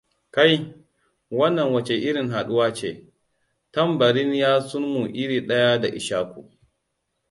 Kai, wannan wace irin haduwa ce! Tambarin yatsunmu iri ɗaya da Ishaku.